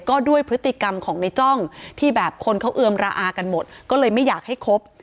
ก็ด้วยพฤติกรรมของในจ้องที่แบบคนเขาเอือมระอากันหมดก็เลยไม่อยากให้คบ